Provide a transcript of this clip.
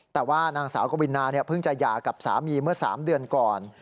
แต่ว่านางสาวกวินาเพิ่งจะหย่ากับสามีเมื่อ๓เดือนก่อน